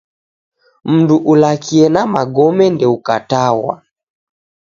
Mundu ulakie na magome, ndeukatwagha.